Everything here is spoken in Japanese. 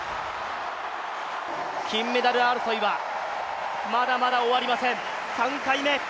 金メダル争いはまだまだ終わりません、３回目。